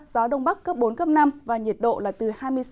gió đông bắc cấp bốn cấp năm và nhiệt độ là từ hai mươi sáu